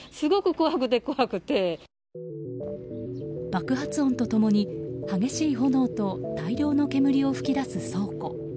爆発音と共に、激しい炎と大量の煙を噴き出す倉庫。